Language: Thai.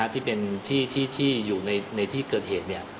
ที่เป็นที่อยู่ในที่เกิดเหตุ